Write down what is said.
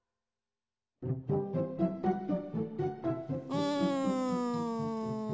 うん。